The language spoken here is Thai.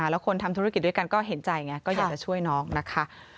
แล้วคนทำธุรกิจด้วยกันก็เห็นใจไงก็อยากจะช่วยน้องนะคะ